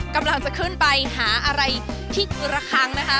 กำลังจะขึ้นไปหาอะไรที่ระคังนะคะ